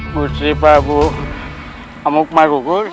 gusti prabu amukmarugul